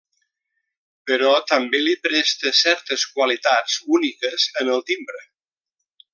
Però també li presta certes qualitats úniques en el timbre.